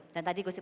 dan tadi gusipul